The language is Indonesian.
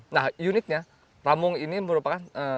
nah uniknya ramung ini merupakan